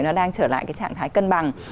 nó đang trở lại cái trạng thái cân bằng